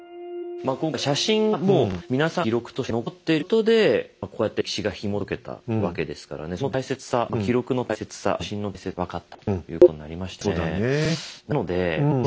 まあ今回写真がもう皆さんの記録として残っていることでこうやって歴史がひもとけたわけですからねその大切さ記録の大切さ写真の大切さ分かったということになりましたよね。